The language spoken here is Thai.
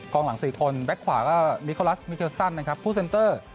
กองหลัง๔คนแบ๊กขวาก็มิคอลัสมิเคลสันนะครับผู้เซนเตอร์